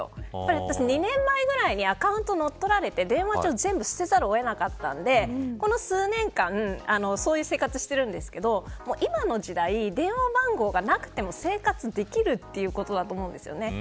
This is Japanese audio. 私、２年前ぐらいにアカウントを乗っ取られて電話帳を全部捨てざるを得なかったんでこの数年間そういう生活してるんですけど今の時代、電話番号がなくても生活できるということだと思うんですよね。